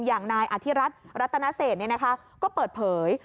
อย่างนายอธิรัฐรัตนเศษก็เปิดเผย